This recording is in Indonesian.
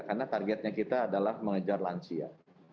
karena targetnya kita adalah mengejar lansia